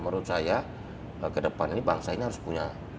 menurut saya ke depan ini bangsa ini harus punya